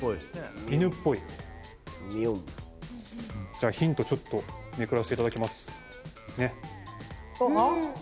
じゃあヒントちょっとめくらせていただきます。